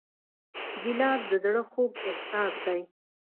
ګیلاس د زړه خوږ احساس دی.